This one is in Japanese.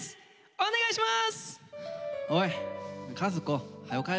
お願いします！